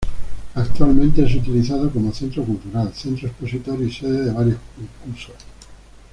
Actualmente es utilizado como centro cultural, centro expositor y sede de varios concursos.